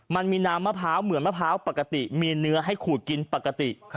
มันมีน้ำมะพร้าวเหมือนมะพร้าวปกติมีเนื้อให้ขูดกินปกติ